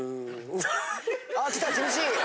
ああきた厳しい。